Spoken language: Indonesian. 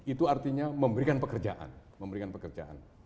itu artinya memberikan pekerjaan